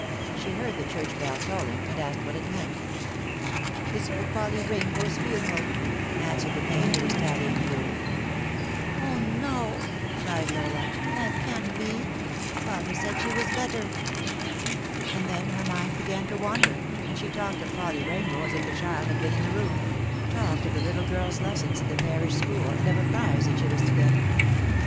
She heard the church bell tolling, and asked what it meant. " It's for Polly Kainbow's funeral," answered the maid who was tidying the room. " O, no," cried Lola, " that can't be I Father said sne was better." And then her mind began to wander, and she talked of Polly Rainbow as if the child had been in the room : talked of the little girl's lessons at the parish school, and of a prize that she ^as to get.